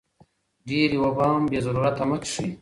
ډېرې اوبه هم بې ضرورته مه څښئ.